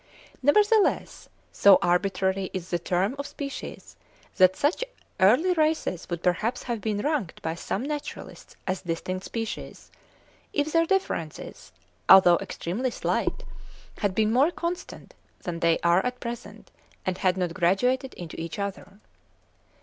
Nevertheless, so arbitrary is the term of species, that such early races would perhaps have been ranked by some naturalists as distinct species, if their differences, although extremely slight, had been more constant than they are at present, and had not graduated into each other.